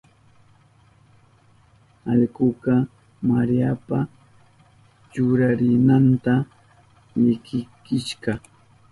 Allkuka Mariapa churarinanta likichishka.